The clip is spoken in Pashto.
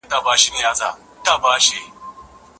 موږ ټول بايد ډېره هڅه وکړو.